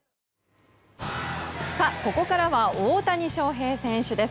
ここからは大谷翔平選手です。